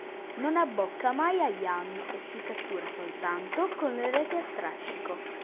Non abbocca mai agli ami e si cattura soltanto con le reti a strascico.